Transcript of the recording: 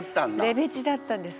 レベチだったんです。